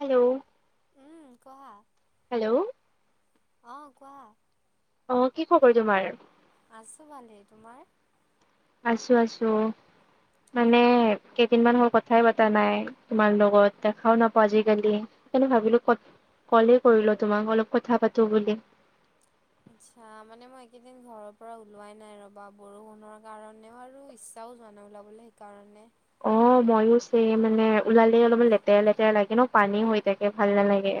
Hello, উম, কোৱা। Hello, অ, কোৱা। অ, কি খবৰ তোমাৰ? আছো ভালেই, তোমাৰ? আছো - আছো মানে কেইদিনমান হল কথাই পতা নাই। তোমাৰ লগত দেখাও নাপাও আজিকালি সেইকাৰণে ভাবিলো ক কলে কৰিলো তোমাক অলপ কথা পাতো বুলি। আচ্ছা মানে মই এইকেইদিন ঘৰৰ পৰা ওলোৱাই নাই ৰবা বৰষুণৰ কাৰণেও আৰু ইচ্ছাও যোৱা নাই ওলাবলৈ সেইকাৰণে। অ, মইও চেম মানে ওলালে অলপমান লেতেৰা - লেতেৰা লাগে ন পানী হৈ থাকে ভাল নালাগে।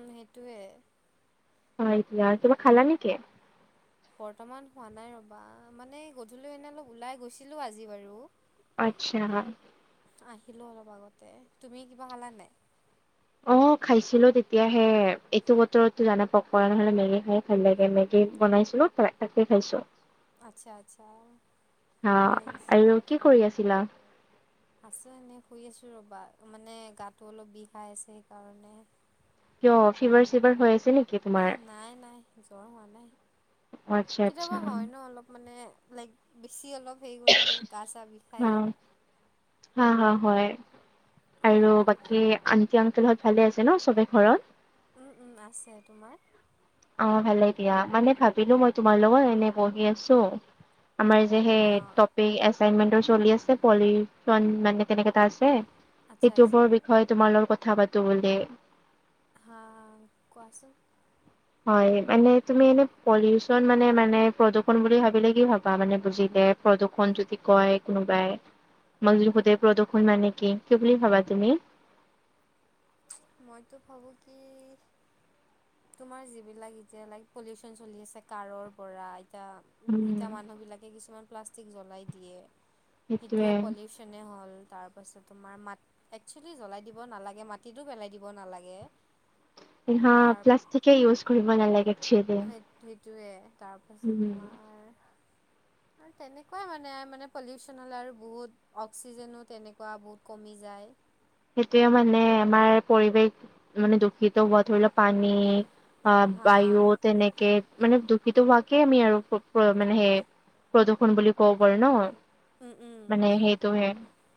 উম সেইটোৱে। হয়, এতিয়া কিবা খালা নেকি? বৰ্তমান খোৱা নাই ৰবা, মানে গধূলি এনে অলপ ওলাই গৈছিলো আজি বাৰু। আচ্ছা। আহিলো অলপ আগতে, তুমি কিবা খালানে নাই? অ, খাইছিলো তেতিয়াহে এইটো বতৰতো জানা পকৰা নহলে মেগি খাই ভাল লাগে মেগী বনাইছিলো ত তাকে খাইছো। আচ্ছা আচ্ছা অ, ভালে গৈছিল আৰু কি কৰি আছিলা? আছো এনেই শুই আছো ৰবা মানে গাটো অলপ বিষাই আছে সেইকাৰণে। কিয় ফিভাৰ চিভাৰ হৈ আছে নেকি? তোমাৰ? নাই - নাই জ্বৰ হোৱা নাই। অ' আচ্ছা আচ্ছা কেতিয়াবা হয় ন অলপ মানে লাইক বেছি অলপ হেৰি কৰিলে গা চাহ বিষাই। হা হা - হা হয় আৰু উম, বাকী আন টি, আক্লল হঁত ভালে আছে ন চবে ঘৰত? উম - উম আছে, তোমাৰ? অ, ভালে দিয়া মানে ভাবিলো মই তোমাৰ লগত এনে বহি আছো আমাৰ যে সেই টপিক এচাইনমেন্টৰ চলি আছে পলিশন মানে তেনেকে এটা আছে আচ্ছা, সেইটো আচ্ছা ওপৰত বিষয়ে তোমাৰ লগৰ কথা পাতো বুলি। হা কোৱাচোন। হয় সেইকাৰণে মানে তুমি এনে পলিউচন মানে মানে প্ৰদূৰষণ বুলি ভাবিলে কি ভাবা মানে বুজিলে প্ৰদূ্ষণ যদি কয় কোনোবাই? তোমাক যদি সোধে প্ৰদূষণ মানে কি? কি বুলি ভাবা তুমি? মইতো ভাবো কি তোমাৰ যিবিলাক এতিয়া লাইক পলিউচন চলি আছে কাৰৰ পৰা এতিয়া উম, মিতা মানুহ বিলাকে কিছুমান প্লাষ্টিক জ্বলাই দিয়ে সেইটোৱে সেইটো পলিউ উচনে হ'ল তাৰপাছত তোমাৰ মাত একচুৱেলি জ্বলাই দিব নালাগে মাটিতো পেলাই দিব নালাগে। হা তাৰ প্লাষ্টিকে ইউজ কৰিব নালাগে এক্সুৱেলি। সেই সেইটোৱে তাৰপাছত তোমাৰ আৰু তেনেকুৱাই মানে মানে পলিউচন হ'লে আৰু বহুত অক্সিজেনো তেনেকুৱা বহুত কমি যায়। সেইটোয়ে মানে আমাৰ পৰিৱেশ মানে দূষিত হোৱা ধৰি লও পানী, অ হা বায়ু তেনেকে মানে দুখিত হোৱাকে আমি আৰু মানে সেই প্ৰদূৰ্ষণ বুলি কব পাৰো ন। উম উম মানে সেইটোহে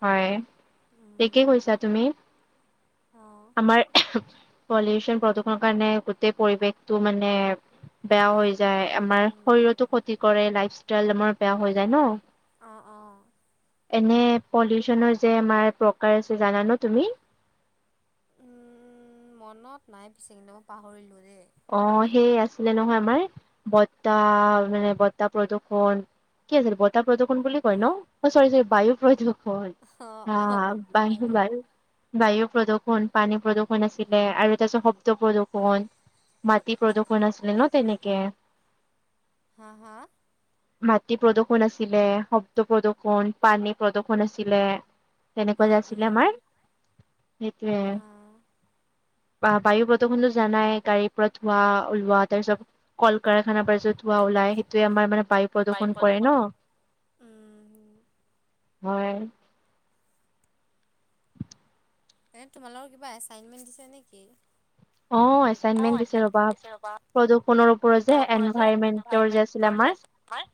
হয় থিকে উম কৈছা তুমি। তুমি অ' আমাৰ পলিউচন প্ৰদূষণৰ কাৰণে গোটেই পৰিৱেশটো মানে বেয়া হৈ যায় আমাৰ শৰীৰতো ক্ষতি কৰে লাইফ ষ্টাইল আমাৰ বেয়া হৈ যায় ন। অ' অ' এনে পলিউচনৰ যে আমাৰ প্ৰকাৰ আছে জানা ন তুমি। উম মনত নাই পিছে কিন্তু মই পাহৰিলোঁ দেই। অ সেই আছিলে নহয় আমাৰ বতাহ মানে বতাহ প্ৰদূৰ্ষন কি আছিল বতাহ প্ৰদূষণ বুলি কয় ন অ, চৰি - চৰি বায়ু প্ৰদূষণ। অ' হা অ' বাই বায়ু-বায়ু। বায়ু প্ৰদূৰণ পানী প্ৰদূৰ্ষণ আছিলে আৰু তাৰপিছত শব্দ প্ৰদূৰ্ষন। মাটি প্ৰদূষণ আছিলে ন তেনেকে। হা - হা। মাটি প্ৰদৰ্শন আছিলে শব্দ প্ৰদূৰ্শন পানী প্ৰদূৰ্শন আছিলে। তেনেকুৱা যে উম আছিলে উম আমাৰ সেইটোয়ে। হা বা বায়ু প্ৰদূষনতো জানাই গাড়ীৰ পৰা ধোৱা ওলোৱা তাৰপিছত কল কাৰখানা পাৰ যত ধোৱা ওলাই সেইটোৱে আমাৰ মানে বায়ু প্ৰদূৰ্ষন কৰে ন। উম হয়। সে তোমালোকৰ কিবা এছাইনমেণ্ট দিছে নেকি। অ অ, এচাইনমেন্ট দিছে আছে ৰবা প্ৰদূষণৰ ওপৰত যে তওৰ ওপৰত যে যে আছিলে এনভাইৰমেন্টৰ আমাৰ যে। হয়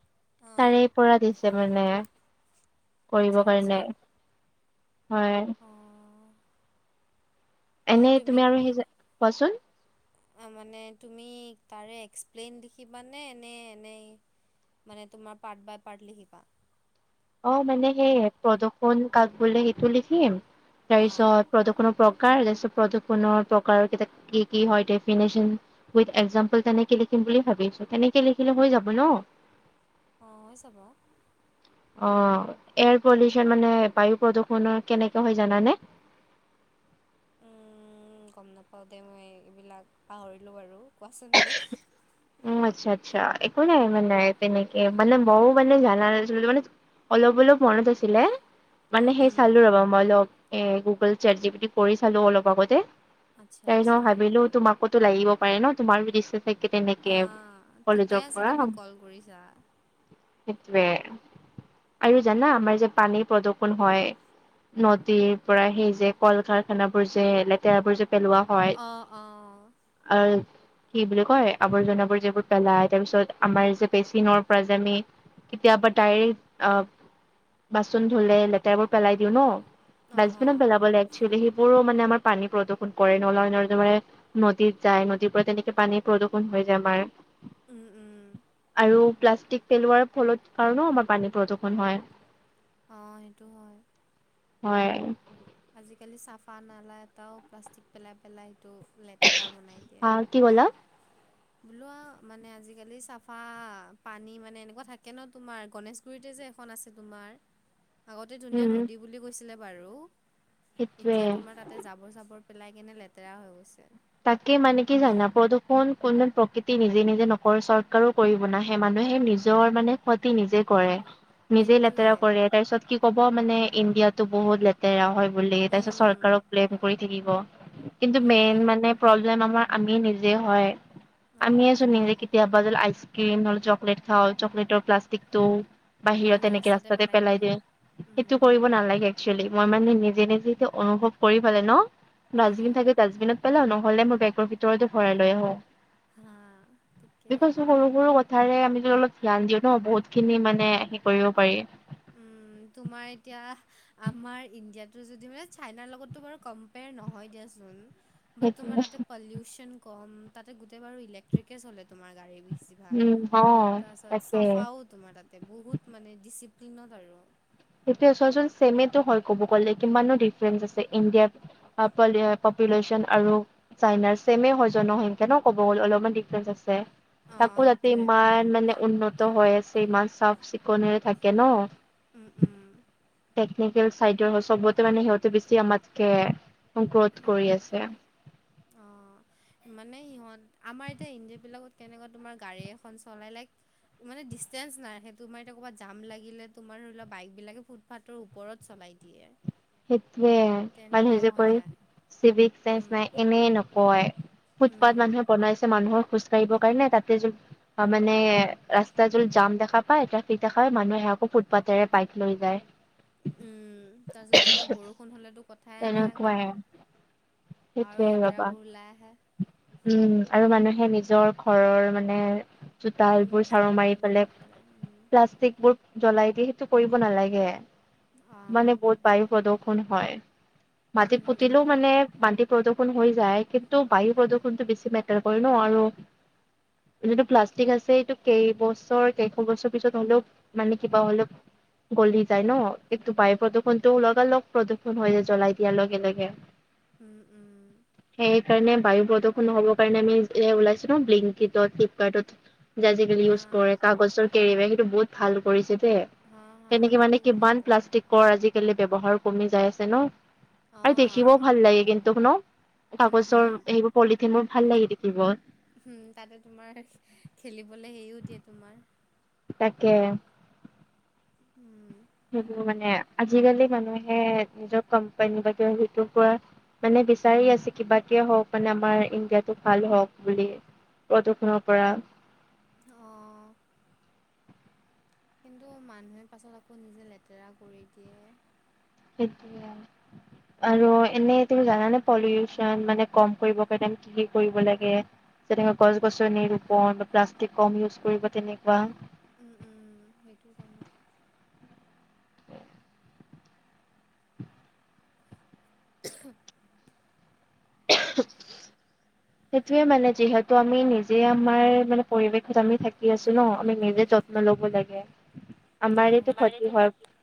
অ, তাৰে পৰা দিছে মানে কৰিব আচ্ছা আচ্ছা কাৰণে হয়। অ', এই এনে তুমি আৰু সেই কোৱাচোন মানে তুমি তাৰে এক্সপ্লেইন লিখিবানে নে এনেই মানে তুমাৰ পাৰ্ট বাই পাৰ্ট লিখিবা। অ, মানে সেই প্ৰদৰ্শন কাজ বোলে সেইটো লিখিম অঁ তাৰপিছত প্ৰদূষণ প্ৰকাৰ প্ৰ কোনো প্ৰকাৰৰ কি - কি হয় ডফনেচ উইথ এক্সামপল তেনেকে লিখিম বুলি ভাবিছো তেনেকে লিখিলে হৈ যাব ন। অ, হৈ যাব। অ, এয়াৰ পলিউচন মানে বায়ু প্ৰদূষণৰ কেনেকে হয় জানানে? উম, গম নাপাও দে মই এইবিলাক পাহৰিলো বাৰু কোৱাচোন তেনে। উম, আচ্ছা - আচ্ছা এইো নাই মানে তেনেকে মানে ব বে জানছিল মানে অলপ - অলপ মনত আছিলে। মানে উম সেই উম চালো ৰবা মই অলপ এ গুগল চেট যি পিচি কৰি চালো অলপ আগতে। আচ্ছা তাই আচ্ছা ভাবিলো তোমাকোতো লাগিব পাৰে ন তোমাৰো দৃশ্য চ তেনেকে হা ঠিকে কলেজক আছে কৰা তুমি কল কৰিছা সেটোৱে। আৰু জানা আমাৰ যে পানীৰ প্ৰদূষন হয়। নদীৰ পৰা সেই যে কল কাৰখানা বোৰ যে লেতেৰা বোৰ যে পেলোৱা। হয় অ', অ ', আৰু কি বুলি কয়। আৱৰ্জনাবোৰ যবোৰ পেলাই তাৰ পিছত আমাৰ যে পেচিনৰ পৰা যে আমি। কেতিয়াবা ডাইৰেক্ট অ, বাচন ধুলে লেতেৰাবোৰ পেলাই দিও ন। অঁ ডাষ্টবিনত অঁ পেলাব লাগ একুৱেল সেইবোৰো মানে আমাৰ পানী প্ৰদূষণ কৰে নয় [unintelligible] নদীত যায় নদীৰ পৰা তেনেকে পানীৰ প্ৰদূষণ হৈ যায় আমাৰ। উম-উম। আৰু প্লাষ্টিক পেলোৱাৰ ফলত কাৰণেও আমাৰ পানী প্ৰদূষন হয়। অ, সেইটো হয়। হয়। আজিকালি চাফা নালা এটাও প্লাষ্টিক পেলাই - পেলাই সেইটো লেতেৰা বনাই। হা কি ক'লা? বোলোৱা মানে আজিকালি চাফা পানী মানে এনেকুৱা থাকে ন তোমাৰ গনেশ খুুৰতে যে এখন আছে তোমাৰ উ [inaudible] আগতে ধুনীয়া নদী বুলি কৈছিলে বাৰু সেইটোৱে এতিয়া তোমাৰ তাত তাতে জাবৰ চাবৰ পেলাই কেনে লেতেৰা হৈ গৈছে। তাকে মানে কি জানা প্ৰদূৰষণ কোনো প্ৰকৃতি নিজে নিজে নকৰৰে চৰকাৰো কৰিব নাহে মানুহে নিজৰ মানে ক্ষতি নিজে কৰে। নিজেই সেইটোৱে লেতেৰা কৰে তাৰ পিছত কি ক'ব মানে ইণ্ডিয়াতো বহুত লেতেৰা হয় বুলি তাৰপিছত উম চৰকাৰক ব্লেম কৰি থাকিব। কিন্তু মেইন উম মানে আমাৰ আমিয়ে নিজে হয়, অ আমিয়ে সেইটো চোন নিজে হয় এতিয়া বদল আইচক্ৰীম নহলে চকলেট খাওঁ চকলেটৰ প্লাষ্টিকটো বাহিৰত এনেকে ৰাস্তাতে পেলাই দিয়ে উম সেইটো কৰিব নালাগে এক্সুৱেলী। মই মানে নিজে নিজে অনুভৱ কৰি পালে ন উম ডাষ্টবিন থাকে ডাষ্টবিনত পেলা ন হ'লে মই বেগৰ ভিতৰতে ভৰাই লৈ আহো। হা ঠিকে। বিকজ সৰু সৰু কথাৰে আমি অলপ ধ্যান দিওঁ ন বহুত খিনি মানে হে কৰিব পাৰি। উম, তোমাৰ এতিয়া আমাৰ ইণ্ডিয়াতো যদি মানে চাইনাৰ লগতো বাৰু কম পেয়াৰ নহয় দিয়াচোন। বাট সেইটোৱে তোমাৰ তাতে পলিউশন কম তাতে গোটেই বাৰু ইলেক্ট্ৰিকে চলে তোমাৰ গাড়ী বেছিভাগ। উম অ তাৰপিছত তাকে চাফাও তোমাৰ তাতে বহুত মানে ডিচিপ্লিনত আৰু। সেইটোৱে চোৱা চোৱা ছেমেটো হয় ক'ব গ'লে কিমানো ডিফাৰেন্ঞ্চ আছে ইণ্ডিয়াৰ পপুলেশ্যন আৰু চাইনাৰ ছেমে হয় জনসংখ্যা ন ক'ব গ'ল অলপমান ডিফাৰেন্ঞ্চ আছে। তাকো অ', যাতে সেইটোৱে ইমান মানে উন্নত হৈ আছে ইমান চাফ চিকুণৰে থাকে ন। উম উম। টেকনিকেল চাইডৰ চবতে মানে সিহঁতে বেছি আমাতকে। গ্ৰথ উম কৰি উম আছে অহ। মানে সিহঁত আমাৰ এতিয়া ইন্দিয়া বিলাকত কেনেকা তোমাৰ গাড়ী এখন চলালে মানে ডিচেঞ্চ নাৰাখে তোমাৰ এতিয়া ক'ৰবাত জাম লাগিলে তোমাৰ ধৰি লোৱা বাইক বিলাকে ফুটপাৰ ও পৰত চলাই দিয়ে। সেইটোয়ে মানুহ তেনেকুৱা যে হৈ কয় যায়। চিভিক চেন্স উম, নাই। এনেই নকয় ফুটপাত উম, মানুহে বনাইছে মানুহৰ খোজ কাঢ়িবৰ কাৰণে তাতে যদি মানে ৰাস্তা জোত জাম দেখা পায় ট্ৰেফিক দেখাাই মানুহে আকৌ ফুটপাতেৰে বাইক লৈ যায়। উম তাৰপিছত তোমাৰ বৰষুণ হলেতো ক তেনেকুৱাই আৰু সেইটয়ে ৰবা। লেতেৰাবোৰ ওলাই আহে, উম আৰু মানুহে নিজৰ ঘৰৰ মানে জোতাল উম, বোৰ ঝাৰু মাৰি জাবৰবোৰ পেলায় লৈ পেলাই উম, প্লাষ্টিক বোৰ জ্বলাই দিয়ে সেইটো কৰিব নালাগে আ, মানে বহুত সেইটো বায়ু প্ৰদূ ষন হয়। মাটিত উম, আ, পুতিলেও মানে মাটি প্ৰদূৰণ হৈ যায় কিন্তু বায়ু প্ৰদূৰণতটো বেছি মেটাৰ কৰে ন। আৰু যিটো প্লাষ্টিক আছে এইটো কেইবছৰ কেইশ বছৰ পিছত হ'লেও মানে কিবা হ'লেও গলি যায় ন, কিন্তু বায়ু প্ৰদূৰণতটো লগা লগ প্ৰদূষণ হৈ যায় জ্বলাই দিয়াৰ লগে লগে। উম উম। সেই সেইকাৰনে বায়ু প্ৰদূৰষণ নহব কাৰণে আমি এ ওলাইছে ন বিলিংকিডত, ফ্লিপকাৰ্টত যে আজিকালি হা, ইউজ কৰে কাগজৰ কেৰিবেগ সেইটো বহুত ভাল কৰিছে দে। হা, হা, তেনেকে মানে ঠিকেই কৰিছে কিমান তই। প্লাষ্টি কৰ আজিকালি ব্যৱহাৰ কমি যাই আছে ন আৰু দেখিবও ভাল লাগে কিন্ত ন উম, উম, কাগজৰ সেইবোৰ পলিথিন বোৰ ভাল লাগে দেখিব। উম তাতে তোমাৰ খেলিবলৈ হেৰিও দিয়ে তোমাৰ তাকে। উম। সেইটো মানে আজিকালি মানুহে নিজৰ কোম্পানী বা সেইটো কোৱা মানে বিচাৰি আছে কিবা কে হওক মানে আমাৰ ইণ্ডিয়াটো ভাল হওক বুলি পদূষুণৰ পৰা। অহ। কিন্তু মানুহে পাছত আকৌ নিজে লেতেৰা কৰি দিয়ে। এতিয়া আৰু এনেই তুমি জানানে পলিউশ্যন মানে কম কৰিব কাৰণে কি কি কৰিব লাগে? যেনেক গছ গছনি ৰুপন বা প্লাষ্টিক কম ইউজ কৰিব তেনেকুৱা উম উম সেইটো জানো [unintelligible] [unintelligible] সেইটোয়ে মানে যিহেতু আমি নিজে আমাৰ মানে পৰিৱেশত আমি থাকি আছো ন আমি নিজে যত ন ল'ব লাগে। আমাৰেতো আমাৰ ক্ষতি হয় এইটো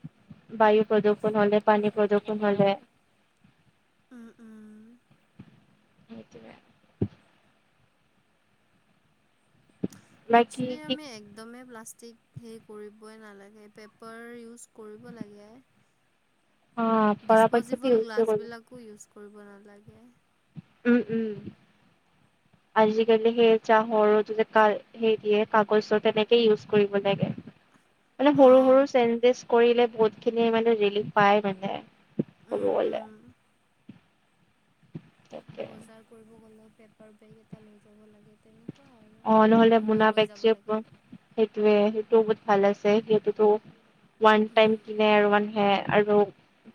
বায়ু প্ৰদূৰষণ হ'লে পানী প্ৰদূৰষণ হ'লে উম, উম। সেইটোৱে বাকী একচেলি কি আমি একদমেই প্লাষ্টিক সেই কৰিবই নালাগে পেপাৰ ইউজ কৰিব লাগে অ পৰাপক্ষত ডিছপ'জিবল ইউজ কৰিব গ্লাছবিলাকো ইউজ কৰিব নালাগে উম উম আজিকালি সেই চাহৰ যোতে কাৰ হেৰি দিয়ে কাগজ তেনেকে ইউজ কৰিব লাগে মানে সৰু অ', সৰু চেঞ্জেছ কৰিলে বহুত খিনি মানে ৰিলিফ পায় মানে কব উম, গলে। উম। তাকে বজাৰ কৰিব গ'লেও পেপাৰ বেগ এটা লৈ যাব লাগে তেনে কোৱা আৰু বা‌ মোনা লৈ যাব লাগে সেইটোৱে সেইটোত ভাল আছে সেইতোটো ওৱান টাইম উম, কিনে আৰু ওৱান হে আৰু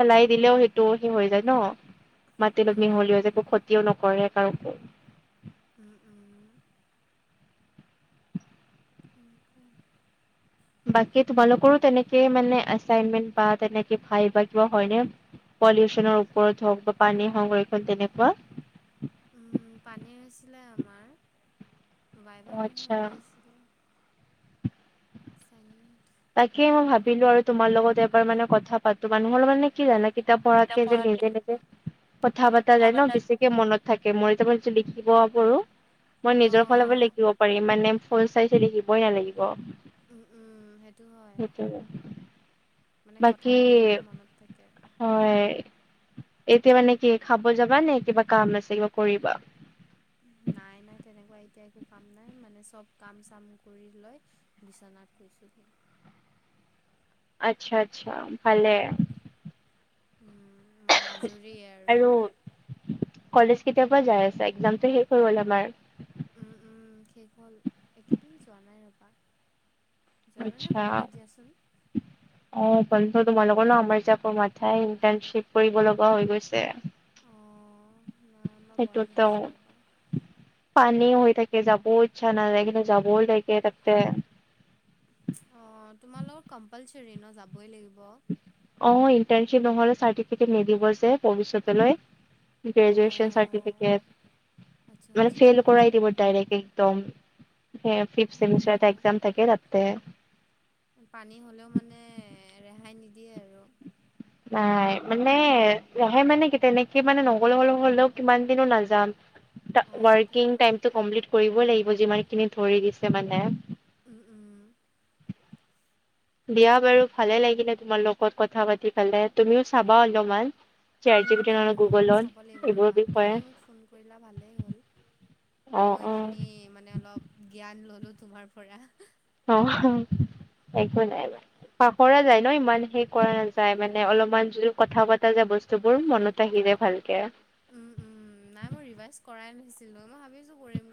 পেলাই দিলেও সেইটো সেই হৈ যায় ন মাটিৰ লগত উম, মিহলিও যে একো ক্ষতিও নকৰে কাৰোকো উম উম এনেকুৱাই। বাকি তোমালোকৰো তেনেকে মানে এছাইনমেণ্ট বা তেনেকে ভাইবাৰ কিবা হয় নে পলিউশ্যনৰ ওপৰত হওক বা পানীৰ সংৰক্ষণ তেনেকুৱা উম পানী আছিলে আমাৰ অ বাইবাৰ নহয় আচ্ছা সেই আছিলে চাইনমেণ্ট তাকেই মই ভাবিলো আৰু তোমাৰ লগত এবাৰ মানে কথা পাতো মানুহৰ মানে কি জানে কিতাপ পঢ়াতকে যে লেবে লেবে কথা পতা যায় ন বেছিক মনত থাকে মই এতিয়া যে লিখিব পাৰো মই নিজৰ ফালৰ অ', পৰা লিখিব পাৰিম মানে। ফল চাই চাই লিখিবই নালাগিব উম, উম সেই সেইটোৱে। মানে কথা বাকী পাতি থাকে হয় এতিয়া মানে কি খাব যাবা নে কিবা কাম আছে কিবা কৰিবা? নাই-নাই, তেনেকুৱা এতিয়া একো কাম নাই মানে চব কাম চাম কৰি লয় বিচনাত শুইছোঁহি। আচ্ছা-আচ্ছা ভালে। উম, মানে আজৰিয়ে আৰু। কলেজ কেতিয়াৰ পৰা যাই আছা, একজামত শেষ হৈ গল আমাৰ? উম উম, শেষ হ'ল একেদিন যোৱা নাই ৰবা। জানানে আচ্ছা। বন্ধ দিয়াচোন অ', বন্ধ তোমালোকৰ ন আমাৰ যে আকৌ মাথাই ইণ্টাৰ্ণশ্বিপ কৰিব লগা হৈ গৈছে। অ', নাই আমাৰ বন্ধ সেইটোতো দিছো ৰবা। পানী হৈ থাকে যাব ইচ্ছা নাযায় কিন্তু যাবও লাগে তাতে। অ', তোমালোকৰ কম্পালচৰি ন যাবই লাগিব? অ', ইণ্টাৰশ্বিপ নহলে চাৰ্টিফিকেট নিদিব যে ভৱিষ্যতলৈ। গ্ৰেজুৱেচন অঁ চাৰ্টিফিকেট, আচ্ছা মানে আচ্ছা ফেইল কৰাই দিব ডাইৰেক্ট একদম। হে ফিফথ চেমিষ্টাৰ এটা অঁ এক্সাম থাকে তাতে। পানী হ'লেও মানে ৰেহাই নিদিয়ে আৰু। নাই। মানে, ৰেহাই মানে, কি তেনেকে মানে, নগ'লে হ'লে হ'লেও, কিমান দিননো নাযাম। অঁ সেইটো ৱৰ্কিং হয় টাইমতো, কমপ্লিট কৰিবই লাগিব, যিমানখিনি ধৰি দিছে মানে। উম, উম। দিয়া বাৰু ভালে লাগিলে, তোমাৰ লগত কথা পাতি পেলাই। তুমিও চাবা অলপমান? Set G um! P T নহ'লে উম! গুগলত চাব লাগিব, এইবোৰৰ ৰ'বা। বিষয়ে তুমি মোক ফোন কৰিলা, ভালেই হ'ল। অ মই অ এইখিনি, মানে অলপ, জ্ঞান ললোঁ তোমাৰ পৰা। অ'! একো নাই, মা পাহৰা যায় ন'! ইমান সেই, কৰা নাযায়। মানে, অলপমান যদি কথা পতা যাই বস্তু। বস্তুবোৰ মনত আহি যাই ভালকে। উম, উম! নাই, মই ৰিভাইজ কৰাই নাছিলোঁ। মই ভাবিছোঁ! কৰিম।